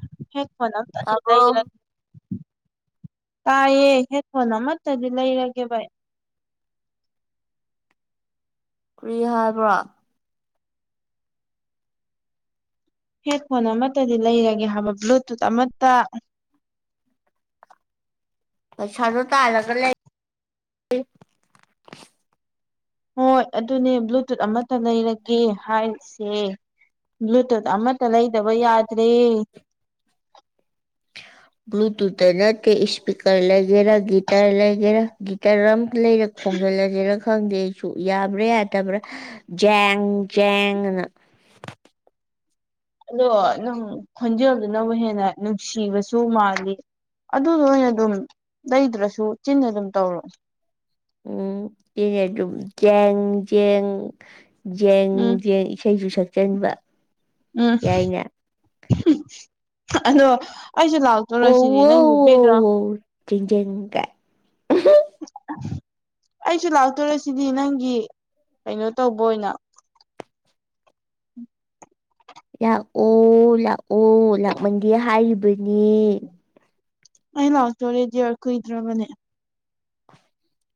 [unintelligible] ꯇꯥꯕ꯭ꯔꯣ ꯇꯥꯏꯌꯦ ꯍꯦꯠ ꯐꯣꯟ ꯑꯃꯠꯇꯗꯤ ꯂꯩꯔꯒꯦ ꯕ ꯫ ꯀ꯭ꯔꯤ ꯍꯥꯏꯕ꯭ꯔꯣ? ꯍꯦꯠ ꯐꯣꯟ ꯑꯃꯠꯇꯗꯤ ꯂꯩꯔꯒꯦ ꯍꯥꯏꯕ ꯕ꯭ꯂꯨꯇꯨꯠ ꯑꯃꯠꯇ ꯄꯩꯁꯗꯣ ꯇꯜꯂꯒꯥ ꯂꯩ ꯍꯣꯏ ꯑꯗꯨꯅꯦ ꯕ꯭ꯂꯨꯇꯨꯠ ꯑꯃꯠꯇ ꯂꯩꯔꯒꯦ ꯍꯥꯏꯔꯤꯁꯦ꯫ ꯕ꯭ꯂꯨꯇꯨꯠ ꯑꯃꯠꯇ ꯂꯩꯗꯕ ꯌꯥꯗ꯭ꯔꯦ꯫ ꯕ꯭ꯂꯨꯇꯨꯠꯇ ꯅꯠꯇ ꯏꯁꯄꯤꯀꯔ ꯂꯒꯦꯔꯥ ꯒꯤꯇꯔ ꯂꯩꯒꯦꯔꯥ ꯒꯤꯇꯥꯔ ꯑꯝ ꯂꯩꯔ ꯈꯣꯡꯖꯜꯂꯖꯤꯔ ꯈꯪꯗꯦ ꯑꯩꯁꯨ ꯌꯥꯕ꯭ꯔꯥ ꯌꯥꯗꯕ꯭ꯔꯥ ꯖꯦꯡ - ꯖꯦꯡ ꯑꯅ꯫ ꯑꯗꯣ ꯅꯪ ꯈꯣꯟꯖꯦꯜꯗꯨꯅꯕꯨ ꯍꯦꯟꯅ ꯅꯨꯡꯁꯤꯕꯁꯨ ꯃꯥꯜꯂꯤ ꯑꯗꯨꯗꯣ ꯑꯣꯏꯅ ꯑꯗꯨꯝ ꯂꯩꯗ꯭ꯔꯁꯨ ꯆꯤꯟꯅ ꯑꯗꯨꯝ ꯇꯧꯔꯣ꯫ ꯎꯝ ꯗꯨꯝ ꯖꯦꯡ ꯖꯦꯡ ꯖꯦꯡ ꯎꯝ - ꯖꯦꯡ ꯏꯁꯩꯖꯨ ꯁꯛꯆꯟꯕ ꯎꯝ ꯌꯥꯏꯅ ꯑꯗꯣ ꯑꯩꯁꯨ ꯂꯥꯛ ꯑꯣ ꯇꯣꯔꯁꯤꯅꯤ ꯋꯣ ꯅꯪꯒꯤ ꯋꯣ ꯕꯦꯛꯔꯥ ꯋꯣ ꯖꯦꯡ - ꯖꯦꯡ ꯀꯥ ꯑꯩꯁꯨ ꯂꯥꯛ ꯇꯣꯔꯁꯤꯗꯤ ꯅꯪꯒꯤ ꯀꯩꯅꯣ ꯇꯧꯕ ꯑꯣꯏꯅ ꯂꯥꯛꯑꯣ ꯂꯥꯛꯑꯣ ꯂꯥꯛꯃꯟꯗꯦ ꯍꯥꯏꯔꯤꯕꯅꯤ꯫ ꯑꯩ ꯂꯥꯛ ꯇꯣꯔꯦꯗꯤꯌꯔ ꯀꯨꯏꯗ꯭ꯔꯕꯅꯦ꯫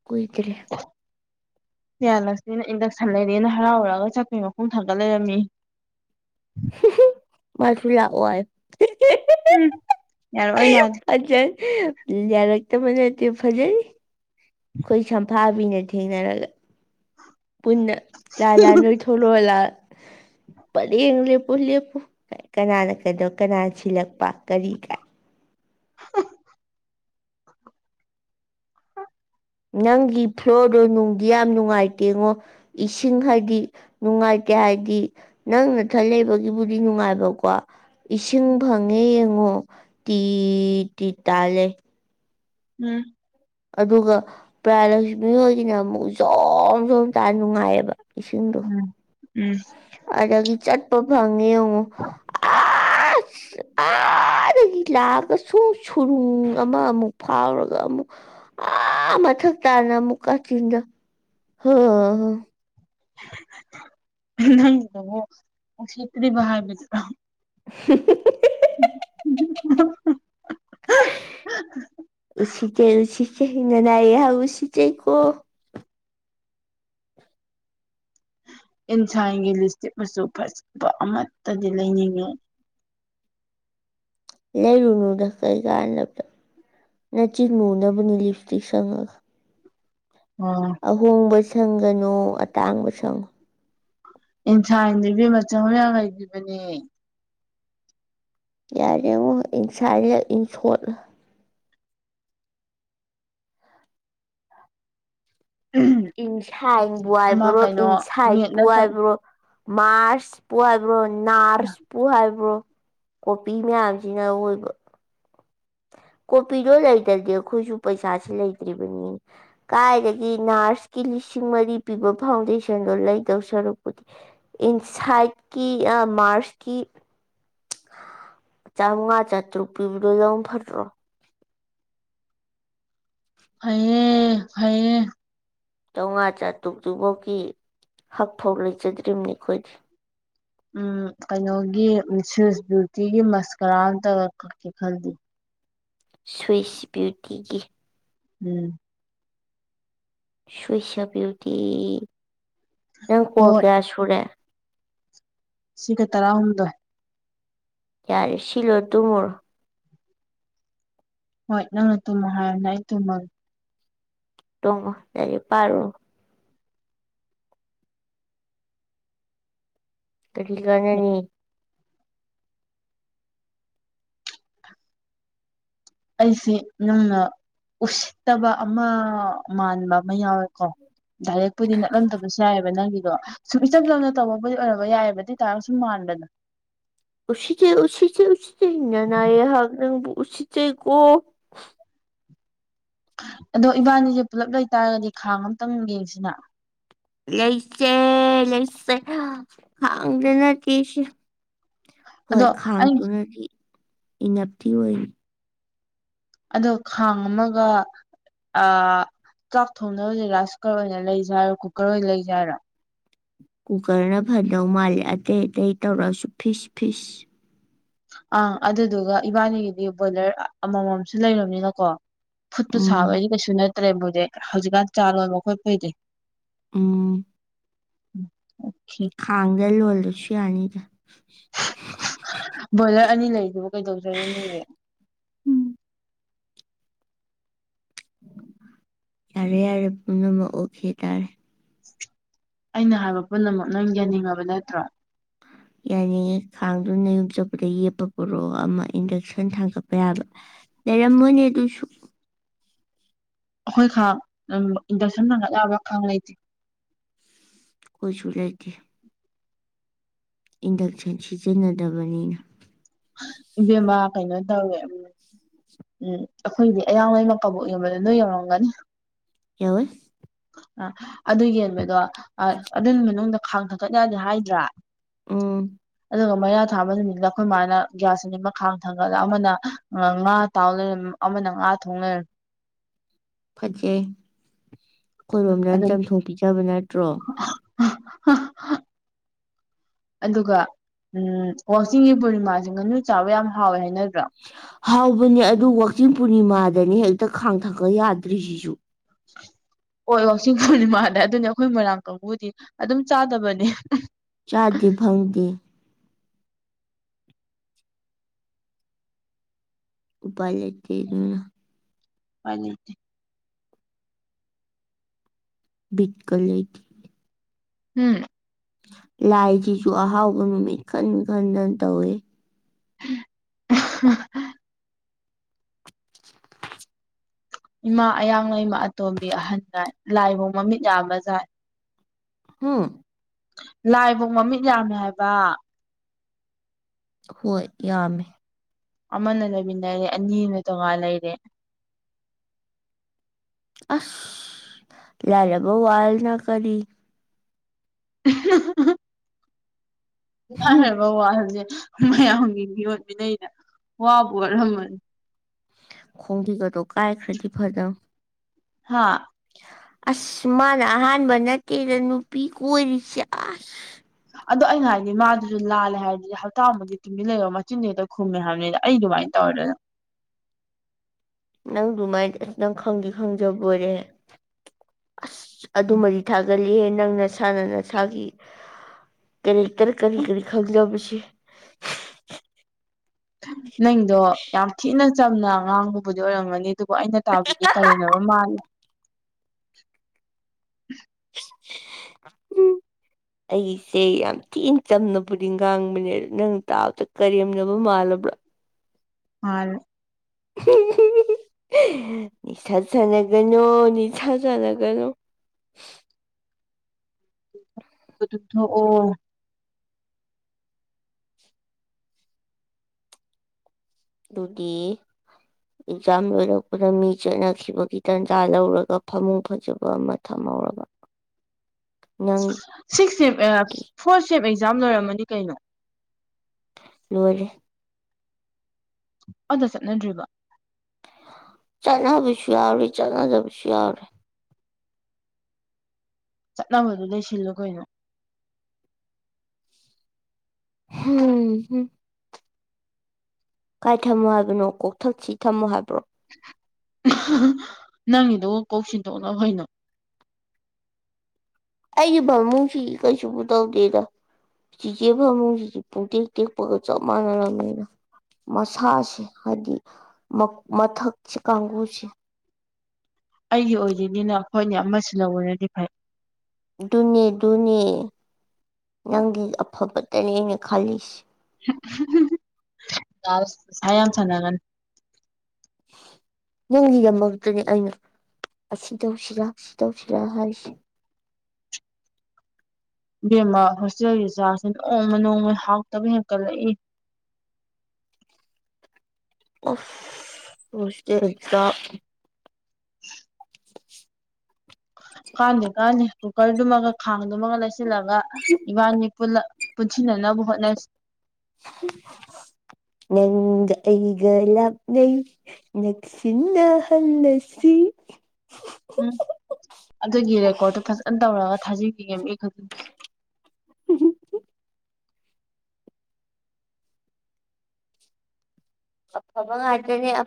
ꯀꯨꯏꯗ꯭ꯔꯦ ꯄꯤꯌꯥꯂꯛꯁꯃꯤꯅ ꯏꯟꯗꯛꯁꯟ ꯂꯩꯔꯦꯅ ꯍꯔꯥꯎꯔꯨꯑꯒ ꯆꯠꯄꯒꯤ ꯃꯈꯣꯡ ꯊꯥꯡꯀꯠ ꯂꯩꯔꯝꯃꯦ꯫ ꯃꯁꯨ ꯂꯥꯛꯑꯣꯏ ꯎꯝ ꯌꯥꯔꯛꯑꯣꯏ ꯃꯥꯗꯤ [unintelligible] ꯌꯥꯔꯛꯇꯕ ꯅꯠꯇꯦ ꯐꯖꯔꯤ ꯈꯣꯏ ꯁꯝꯐꯥꯕꯤꯅ ꯊꯦꯡꯅꯔꯒ ꯄꯨꯟꯅ ꯂꯥꯜꯂꯥ ꯅꯣꯏꯊꯂꯛꯑꯣꯂꯥ ꯄꯔꯦꯡ ꯂꯦꯞꯄꯨ ꯂꯦꯞꯄꯨ ꯀꯅꯥꯅ ꯀꯩꯗꯣ ꯀꯅꯥ ꯁꯤꯜꯂꯛꯄ ꯀꯔꯤ ꯀꯥꯏ ꯅꯪꯒꯤ ꯐ꯭ꯂꯣꯔꯗꯣ ꯅꯨꯡꯗꯤ ꯌꯥꯝ ꯅꯨꯡꯉꯥꯏꯇꯦꯉꯣ ꯏꯁꯤꯡ ꯍꯥꯏꯗꯤ ꯅꯨꯡꯉꯥꯏꯇꯦ ꯍꯥꯏꯗꯤ꯫ ꯅꯪ ꯅꯊꯟ ꯂꯩꯕꯒꯤꯕꯨꯗꯤ ꯅꯨꯡꯉꯥꯏꯕꯀꯣ꯫ ꯏꯁꯤꯡ ꯐꯪꯉꯦ ꯌꯦꯡꯉꯣ ꯇꯤ ꯇꯤ ꯇꯥꯜꯂꯦ꯫ ꯎꯝ꯫ ꯑꯗꯨꯒ ꯄ꯭ꯔꯤꯌꯥꯂꯛꯁꯃꯤ ꯍꯣꯏꯒꯤꯅ ꯑꯃꯨꯛ ꯖꯣꯝ ꯖꯣꯝ ꯇꯥ ꯅꯨꯡꯉꯥꯏꯌꯦꯕ ꯏꯁꯤꯡꯗꯣ ꯎꯝ ꯎꯝ ꯑꯗꯒꯤ ꯆꯠꯄ ꯐꯪꯉꯦ ꯌꯦꯡꯉꯣ ꯑꯥ [inaudible] ꯑꯩꯗꯒꯤ ꯂꯥꯛꯑꯒ ꯁꯨ ꯁꯨꯔꯨꯡ ꯑꯃ ꯑꯃꯨꯛ ꯐꯥꯎꯔꯒ ꯑꯃꯨꯛ ꯑꯥ ꯃꯊꯛ ꯇꯥꯅ ꯃꯨꯛ ꯀꯥꯆꯤꯟꯗ ꯍ ꯅꯪꯒꯤꯗꯨꯕꯨ ꯎꯁꯤꯠꯇ꯭ꯔꯤꯕ ꯍꯥꯏꯕꯗꯨꯔꯣ? [unintelligible] [unintelligible] ꯎꯁꯤꯠꯇꯦ ꯎꯁꯤꯠ ꯅꯅꯥꯏ ꯌꯥꯝ ꯎꯁꯤꯠꯆꯩ ꯀꯣ ꯏꯟꯁꯥꯏꯟꯒꯤ ꯂꯤꯁꯇꯤꯛꯄꯁꯨ ꯐꯖꯕ ꯑꯃꯠꯇꯗꯤ ꯂꯩꯅꯤꯡꯉꯤ꯫ ꯂꯩꯔꯨꯅꯨꯗ ꯀꯩ ꯀꯥꯟꯗꯕꯗ ꯅꯆꯤꯟ ꯂꯤꯞꯁꯇꯤꯛ ꯁꯪꯉꯒ꯫ ꯑꯣ ꯑꯍꯣꯡꯕ ꯁꯪꯒꯅꯨ ꯑꯇꯥꯡꯕ ꯁꯪꯉꯨ ꯏꯟꯁꯥꯡꯗꯣ ꯏꯕꯦꯝꯃ [unintelligible] ꯌꯥꯝ ꯂꯩꯕꯤꯕꯅꯦ ꯌꯥꯔꯦꯉꯣ ꯏꯟ ꯁꯥꯔꯦ ꯏꯟ ꯁꯣꯠꯂ ꯏꯟꯁꯥꯡꯕꯨ ꯑꯃ ꯍꯥꯏꯕ꯭ꯔꯣ ꯀꯩꯅꯣ ꯃꯦꯠ ꯏꯟꯁꯥꯏꯠꯄꯨ ꯅꯠꯇꯕ ꯏꯕ꯭ꯔꯣ ꯃꯥꯔꯁ꯫ ꯄꯨꯨ ꯍꯥꯏꯕ꯭ꯔꯣ ꯅꯥꯔꯁꯄꯨ ꯍꯥꯏꯕ꯭ꯔꯣ ꯀꯣꯄꯤ ꯃꯌꯥꯝꯁꯤꯅ ꯑꯋꯣꯏꯕ ꯀꯣꯄꯤꯗꯣ ꯂꯩꯇꯗꯤ ꯑꯩꯈꯣꯏꯁꯨ ꯄꯩꯁꯥꯁꯤ ꯂꯩꯇ꯭ꯔꯤꯕꯅꯤ꯫ ꯀꯥꯏꯗꯒꯤ ꯅꯥꯔꯁꯀꯤ ꯂꯤꯁꯤꯡ ꯃꯔꯤ ꯄꯤꯕ ꯐꯥꯎꯟꯗꯦꯁꯟꯗꯣ ꯂꯩꯗꯧ ꯁꯔꯨꯛꯄꯨꯗꯤ꯫ ꯏꯟꯁꯥꯏꯠꯀꯤ ꯑꯥ ꯃꯥꯔꯁꯀꯤ꯫ ꯆꯥꯃꯉꯥ ꯆꯥꯇ꯭ꯔꯨꯛ ꯄꯤꯕꯗꯣ ꯂꯧꯕꯅ ꯐꯠꯇ꯭ꯔꯣ꯫ ꯐꯩꯌꯦ ꯐꯩꯌꯦ ꯆꯥꯝꯃꯉꯥ ꯆꯥꯇ꯭ꯔꯨꯛꯇꯨꯐꯥꯎꯒꯤ ꯍꯛ ꯐꯥꯎ ꯂꯩꯖꯗ꯭ꯔꯤꯕꯅꯤ ꯑꯩꯈꯣꯏꯗꯤ ꯎꯝ ꯀꯩꯅꯣꯒꯤ ꯁꯤꯁ ꯌꯨꯇꯤꯒꯤ ꯃꯁꯀꯔꯥ ꯑꯃꯇ ꯀꯛꯀꯦ ꯈꯜꯂꯤꯌꯦ ꯁ꯭ꯋꯤꯁ ꯕꯤꯌꯨꯇꯤꯒꯤ ꯎꯝ ꯁ꯭ꯨꯏꯁꯕꯤꯌꯨꯇꯤ ꯅꯪ ꯀꯣꯜ ꯍꯣꯏ ꯀꯌꯥ ꯁꯨꯔꯦ ꯁꯤꯒ ꯇꯔꯥꯍꯨꯝꯗꯣꯏ ꯌꯥꯔꯦ ꯁꯤꯜꯂꯣꯏꯔ ꯇꯨꯝꯃꯨꯔꯣ ꯍꯣꯏ ꯅꯪꯅ ꯇꯨꯝꯃ ꯍꯥꯏꯔꯝꯃꯤꯅ ꯑꯩ ꯇꯨꯝꯃꯒꯦ ꯫ ꯇꯨꯝꯃꯣ ꯂꯥꯏꯔꯤꯛ ꯄꯥꯔꯨꯅꯣ꯫ ꯀꯔꯤ ꯀꯅꯥꯅꯤ ꯑꯩꯁꯤ ꯅꯪꯅ ꯎꯁꯤꯠꯇꯕ ꯑꯃ ꯃꯥꯟꯕ ꯑꯃ ꯌꯥꯎꯋꯦꯀꯣ ꯗꯥꯏꯔꯦꯛꯄꯨꯗꯤ ꯅꯠꯂꯝꯗꯕꯁꯨ ꯌꯥꯏꯌꯦꯕ ꯅꯪꯒꯤ ꯑꯗꯣ ꯁꯨꯝ ꯏꯆꯝ ꯆꯝꯅ ꯇꯧꯕꯕꯨꯗꯤ ꯑꯣꯏꯔꯝꯕ ꯌꯥꯏꯕ ꯑꯗꯣ ꯑꯣꯏꯇꯥꯥꯔꯒꯁꯨ ꯁꯨꯝ ꯃꯥꯟꯕꯗꯅ ꯎꯁꯤꯠꯆꯩ ꯎꯁꯤꯠꯆꯩ ꯎꯁꯤꯆꯩ ꯅꯅꯥꯏ ꯑꯩꯍꯥꯛ ꯅꯪꯕꯨ ꯎꯁꯤꯠꯆꯩꯀꯣ ꯑꯗꯣ ꯏꯕꯥꯅꯤꯁꯦ ꯄꯨꯜꯂꯞ ꯂꯩꯇꯥꯔꯒꯗꯤ ꯈꯥꯡ ꯑꯇꯪ ꯌꯦꯡꯁꯤꯅ ꯂꯩꯁꯦ ꯂꯩꯁꯦ ꯈꯥꯡꯗ ꯅꯠꯇꯦꯁꯦ ꯍꯣꯏ ꯑꯗꯣ ꯑꯩ ꯈꯥꯡꯗꯨꯨꯅꯗꯤ ꯏꯅꯞꯇꯤ ꯑꯣꯏꯔꯤ ꯑꯗꯣ ꯈꯥꯡ ꯑꯃꯒ ꯑꯥ ꯆꯥꯛ ꯊꯣꯡꯅꯕꯁꯦ ꯔꯥꯏꯁ ꯀꯨꯀꯔ ꯑꯣꯏꯅ ꯂꯩꯖꯦ ꯍꯥꯏꯔꯣ ꯀꯨꯀꯔ ꯑꯣꯏꯅ ꯂꯩꯖꯦ ꯍꯥꯏꯔꯣ꯫ ꯀꯨꯀꯔꯅ ꯐꯗꯧ ꯃꯥꯜꯂꯦ ꯑꯇꯩ ꯑꯇꯩ ꯇꯧꯔꯁꯨ ꯐꯤꯁ ꯐꯤꯁ ꯑꯥ ꯑꯗꯨꯗꯨꯒ ꯏꯕꯥꯅꯤꯒꯤꯗꯤ ꯕꯣꯏꯂꯔ ꯑꯃꯃꯝꯁꯨ ꯂꯩꯔꯕꯅꯤꯅꯀꯣ ꯐꯨꯠꯄ ꯎꯝ ꯁꯥꯕꯒꯤꯗꯤ ꯀꯩꯁꯨ ꯅꯠꯇ꯭ꯔꯦꯕ ꯍꯧꯍꯤꯛ ꯍꯧꯖꯤꯛꯀꯥꯟ ꯆꯥ ꯂꯣꯟꯕ ꯈꯣꯠꯄꯩꯗꯤ꯫ ꯎꯝ꯫ ꯎꯝ ꯑꯣꯈꯦ꫰꫰ ꯈꯥꯡꯗ ꯂꯣꯜꯂꯁꯨ ꯌꯥꯅꯤꯗ꯫ ꯕꯒꯔ ꯑꯅꯤ ꯂꯩꯗꯨꯕ ꯀꯩꯗꯧꯖꯔꯨꯅꯤꯒꯦ꯫ ꯎꯝ ꯌꯥꯔꯦ ꯌꯥꯔꯦ ꯄꯨꯝꯅꯃꯛ ꯑꯣꯈꯦ ꯇꯥꯔꯦ꯫ ꯑꯩꯅ ꯍꯥꯏꯕ ꯄꯨꯝꯅꯃꯛ ꯅꯪ ꯌꯥꯡꯅꯤꯡꯉꯕ ꯅꯠꯇ꯭ꯔꯣ꯫ [inaudible] ꯌꯥꯅꯤꯡꯑꯦ ꯈꯥꯡꯗꯨꯅ ꯅꯌꯨꯝ ꯆꯄꯗ ꯌꯦꯞꯄ ꯄꯔꯛꯑꯣ ꯑꯃ ꯏꯟꯗꯛꯁꯟ ꯊꯥꯡꯒꯠꯄ ꯌꯥꯕ ꯇꯔꯝꯃꯣꯏꯅꯦ ꯗꯨꯁꯨ ꯑꯩꯈꯣꯏ ꯈꯥꯡ ꯏꯟꯗꯛꯁꯟ ꯊꯥꯡꯒꯠ ꯌꯥꯕ ꯈꯥꯡ ꯂꯩꯇꯦ ꯈꯣꯏꯁꯨ ꯂꯩꯇꯦ ꯏꯟꯗꯛꯁꯟ ꯁꯤꯖꯤꯟꯅꯗꯕꯅꯤꯅ ꯏꯕꯦꯝꯃ ꯀꯩꯅꯣ ꯇꯧꯋꯦ ꯎꯝ ꯑꯩꯈꯣꯏꯒꯤ ꯑꯌꯥꯡꯂꯩꯃ ꯀꯕꯣꯛ ꯌꯣꯟꯕꯗꯣ ꯅꯣꯏ ꯌꯧꯔꯝꯒꯅꯤ ꯌꯥꯔꯣꯏ ꯑ ꯑꯗꯨ ꯌꯦꯟꯕꯗꯣ ꯑꯗꯨꯏ ꯃꯅꯨꯡꯗ ꯈꯥꯡ ꯊ ꯀꯠꯅꯗꯤ ꯍꯥꯏꯗ꯭ꯔꯥ꯫ ꯎꯝ꯫ ꯑꯗꯨꯒ ꯃꯩꯌꯥꯥ ꯊꯥꯕ ꯅꯨꯃꯤꯠꯇ ꯑꯩꯈꯣꯏ ꯃꯥꯅ꯫ ꯒ꯭ꯌꯥꯁ ꯑꯅꯤꯃꯛ ꯈꯥꯡ ꯊꯥꯡꯒꯠꯂ ꯑꯃꯅ ꯉꯥ ꯇꯥꯎꯂꯩꯔꯝꯃꯤ ꯑꯃꯅ ꯉꯥ ꯊꯣꯡꯂꯩꯔꯝꯃꯤ꯫ ꯐꯖꯩ ꯈꯣꯏꯔꯣꯝꯗꯅ ꯑꯗꯨꯝ ꯆꯝꯊꯣꯡ ꯄꯤꯖꯕ ꯅꯠꯇ꯭ꯔꯣ꯫ [unintelligible] ꯑꯗꯨꯒ ꯎꯝ ꯋꯥꯆꯤꯡꯒꯤ ꯄꯨꯔꯅꯤꯃꯥꯥꯁꯤ ꯉꯥꯅꯨ ꯆꯥꯕ ꯌꯥꯝ ꯍꯥꯎꯋꯦ ꯍꯥꯏꯅꯗ꯭ꯔꯣ꯫ ꯍꯥꯎꯕꯅꯦ ꯑꯗꯨ ꯋꯥꯛꯆꯤꯡ ꯄꯨꯔꯅꯤꯃꯥꯗꯅꯤ ꯍꯦꯛꯇ ꯈꯥꯡ ꯊꯥꯡꯒꯠ ꯌꯥꯗ꯭ꯔꯤꯁꯤꯁꯨ꯫ [inaudible] ꯍꯣꯏ ꯋꯥꯆꯤꯡ ꯄꯨꯔꯅꯤꯃꯥꯗ ꯑꯗꯨꯅꯤ ꯑꯩꯈꯣꯏ ꯃꯣꯏꯔꯥꯡ ꯀꯥꯡꯕꯨꯗꯤ ꯑꯗꯨꯝ ꯆꯥꯗꯕꯅꯤ꯫ ꯆꯥꯗꯦ ꯐꯪꯗꯦ꯫ ꯎꯄꯥꯏ ꯂꯩꯇꯦ ꯑꯗꯨꯅ꯫ ꯎꯄꯥꯏ ꯂꯩꯇꯦ꯫ ꯕꯤꯛꯀꯂꯤ꯫ ꯎꯝ꯫ ꯂꯥꯏꯒꯤꯁꯨ ꯑꯍꯥꯎꯕ ꯅꯨꯃꯤꯠ ꯈꯟ ꯈꯟꯗ ꯇꯧꯋꯦ꯫ [inaudible] ꯏꯃꯥ ꯑꯌꯥꯡ ꯂꯩꯃ ꯑꯇꯣꯝꯕꯤ ꯑꯍꯟ ꯂꯥꯏ ꯂꯥꯏꯐꯧ ꯃꯃꯤꯠ ꯌꯥꯝꯕ ꯖꯠꯅꯤ꯫ ꯍꯨꯝ꯫ ꯂꯥꯏꯕꯥꯎ ꯃꯃꯤꯠ ꯌꯥꯝꯃꯦ ꯍꯥꯏꯕ꯫ ꯍꯣꯏ ꯌꯥꯝꯃꯦ꯫ ꯑꯃꯅ ꯂꯩꯃꯤꯟꯅꯔꯦ ꯑꯅꯤ ꯑꯃꯅ ꯇꯣꯉꯥꯟꯅ ꯂꯩꯔꯦ꯫ ꯑꯁ ꯂꯥꯏꯔꯕ ꯋꯥꯜꯅ ꯀꯔꯤ꯫ [inaudible] ꯂꯥꯏꯔꯕ ꯋꯥꯜꯗꯤ ꯃꯌꯥꯝꯒꯤ ꯃꯤꯌꯣꯠ ꯃꯤꯅꯩꯗ ꯋꯥꯕꯨ ꯋꯥꯔꯝꯃꯅꯤ꯫ ꯈꯣꯡꯕꯤꯒꯗꯣ ꯀꯥꯏꯈ꯭ꯔꯗꯤ ꯐꯥꯗꯧꯅꯤ꯫ ꯍꯥ꯫ ꯑꯁ ꯃꯥꯅ ꯑꯍꯥꯟꯕ ꯅꯠꯇꯦꯗ ꯅꯨꯄꯤ ꯀꯣꯏꯔꯤꯁꯦ ꯑꯁ꯫ ꯑꯗꯣ ꯑꯩꯅ ꯍꯥꯏꯗꯤ ꯃꯥꯗꯨꯁꯨ ꯂꯥꯂꯦ ꯍꯥꯏꯔꯗꯤ ꯍꯞꯇꯥꯃꯨꯀꯇꯤ ꯇꯨꯝꯃꯤꯟ ꯂꯩꯔꯣ ꯃꯆꯤꯟꯁꯦ ꯍꯦꯛꯇ ꯍꯦꯛꯇ ꯈꯨꯝꯃꯦ ꯍꯥꯏꯕꯅꯤꯗ ꯑꯩ ꯑꯗꯨꯃꯥꯏꯅ [unintelligible] ꯅꯪ ꯑꯗꯨꯃꯥꯏꯅ ꯑꯁ ꯅꯪ ꯈꯪꯗꯤ ꯈꯪꯖꯕꯣꯏꯔꯦꯍꯦ꯫ ꯑꯁ ꯑꯗꯨꯃꯗꯤ ꯊꯥꯒꯠꯂꯤꯍꯦ ꯅꯪ ꯅꯁꯥꯅ ꯅꯁꯥꯒꯤ꯫ ꯀꯔꯤꯀꯥꯔ ꯀꯔꯤ ꯀꯔꯤ ꯈꯪꯖꯕꯁꯤ꯫ ꯅꯪꯗꯣ ꯌꯥꯝ ꯊꯤꯅ ꯆꯝꯅ ꯉꯥꯡꯕꯕꯨꯗꯤ ꯑꯣꯏꯔꯝꯒꯅꯤ ꯑꯗꯨꯕꯨ ꯑꯩꯅ ꯇꯥꯕꯗꯗꯤ ꯀꯔꯦꯝꯅꯕ ꯃꯥꯜꯂꯦ ꯑꯩꯁꯦ ꯌꯥꯝ ꯊꯤꯅ ꯆꯝꯅꯕꯨꯗꯤ ꯉꯥꯡꯕꯅꯦ ꯑꯗꯨ ꯅꯪ ꯇꯥꯕꯗ ꯀꯔꯦꯝꯅꯕ ꯃꯥꯜꯂꯕ꯭ꯔꯥ ꯃꯥꯜꯂꯦ ꯅꯤꯁꯥ ꯁꯥꯟꯅꯒꯅꯣ ꯅꯤꯁꯥ ꯁꯥꯟꯅꯒꯅꯣ ꯑꯗꯨ ꯊꯛꯑꯣ ꯑꯗꯨꯗꯤ ꯑꯦꯛꯖꯥꯝ ꯂꯣꯏꯔꯛꯄꯗ ꯃꯤ ꯆꯠꯅꯈꯤꯕꯒꯤ ꯇꯥꯟꯖꯥ ꯂꯧꯔꯒ ꯐꯃꯨꯡ ꯐꯖꯕ ꯑꯃ ꯊꯝꯍꯧꯔꯕ ꯅꯪꯒꯤ ꯁꯤꯛꯁ ꯁꯦꯝ ꯑꯥ ꯐꯣꯔ ꯁꯦꯝ ꯑꯦꯛꯖꯥꯝ ꯂꯣꯏꯔꯝꯃꯅꯤ ꯀꯩꯅꯣ꯫ ꯂꯣꯏꯔꯦ꯫ ꯑꯝꯇ ꯆꯠꯅꯗꯔꯤꯕꯣ꯫ ꯆꯠꯅꯕꯁꯨ ꯌꯥꯎꯔꯦ ꯆꯠꯅꯗꯕꯁꯨ ꯌꯥꯎꯔꯦ꯫ ꯆꯠꯅꯕꯗꯨ ꯂꯩꯁꯤꯜꯂꯣ ꯀꯩꯅꯣ꯫ ꯍꯨꯝꯍꯨꯝ꯫ ꯀꯥꯏ ꯊꯝꯃꯣ ꯍꯥꯏꯕꯅꯣ ꯀꯣꯛꯊꯛꯁꯤ ꯊꯝꯃꯣ ꯍꯥꯏꯕ꯭ꯔꯣ꫰꫰ ꯅꯪꯒꯤꯗꯣ ꯀꯣꯛ ꯁꯤꯟꯗꯣꯛꯅꯧ ꯀꯩꯅꯣ꯫ ꯑꯩꯒꯤ ꯐꯥꯄꯨꯡꯁꯤꯗꯤ ꯀꯩꯁꯨꯕꯨ ꯇꯧꯗꯦꯗ ꯆꯤꯆꯦ ꯐꯥꯄꯨꯡꯁꯤꯗꯤ ꯄꯨꯡꯇꯦꯛ ꯇꯦꯛꯄꯒ ꯆꯞ ꯃꯥꯟꯅꯔꯕꯅꯤꯗ ꯃꯁꯥꯁꯦ ꯍꯥꯏꯗꯤ ꯃꯊꯛ ꯃꯊꯛꯁꯦ ꯀꯥꯡꯕꯨꯁꯦ ꯑꯩꯒꯤ ꯑꯣꯏꯗꯣꯏꯅꯤꯅ ꯍꯣꯏꯅꯦ ꯑꯃ ꯁꯤꯜꯍꯧꯕꯅꯗꯤ ꯐꯩ ꯑꯗꯨꯅꯦ ꯑꯗꯨꯅꯦ ꯅꯪꯒꯤ ꯑꯐꯕꯇꯅꯦ ꯑꯩꯅ ꯈꯜꯂꯤꯁꯦ [unintelligible] ꯅꯤꯁꯥ ꯌꯥꯝ ꯁꯥꯟꯅꯒꯅꯨ ꯅꯪꯒꯤ ꯗꯃꯛꯇꯅꯦ ꯑꯩꯅ ꯑꯁꯤ ꯇꯧꯁꯤꯔꯥ ꯁꯤ ꯇꯧꯁꯤꯔꯥ ꯍꯥꯏꯁꯦ ꯏꯕꯦꯝꯃ ꯍꯣꯁꯇꯦꯜꯒꯤ ꯆꯥꯛꯁꯦ ꯅꯣꯡꯃ ꯅꯣꯡꯃꯒꯤ ꯍꯥꯎꯇꯕ ꯍꯦꯟꯀꯠꯂꯛꯏ ꯑꯁ ꯍꯣꯁꯇꯦꯜꯒꯤ ꯆꯥꯛ [inaudible] ꯀꯥꯟꯗꯦ ꯀꯥꯟꯗꯦ ꯀꯨꯀꯔꯗꯨꯃꯒ ꯈꯥꯡꯗꯨꯃꯒ ꯂꯩꯁꯤꯜꯂꯒ ꯏꯕꯥꯟꯅꯤ ꯄꯨꯜꯂ ꯄꯨꯟꯁꯤꯟꯅꯅꯕ ꯍꯣꯠꯅꯁꯤ [inaudible] ꯅꯪꯒ ꯑꯩꯒ ꯂꯥꯞꯅꯩ ꯅꯛꯁꯤꯟꯅꯍꯟꯂꯁꯤ ꯎꯝ ꯑꯗꯨꯒꯤ ꯔꯦꯀꯣꯔꯠꯇꯨ ꯐꯖꯅ ꯇꯧꯔꯒ ꯊꯥꯖꯤꯟꯈꯤꯒꯦ ꯃꯤ ꯈꯨ [inaudible] ꯑꯐꯕꯥ ꯉꯥꯛꯇꯅꯦ ꯑꯐ